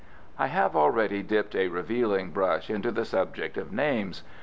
I have already dipped a revealing brush into the subject of names.